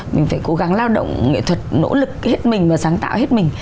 mình phải cố gắng lao động nghệ thuật nỗ lực hết mình và sáng tạo hết mình